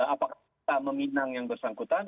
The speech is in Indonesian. apakah kita meminang yang bersangkutan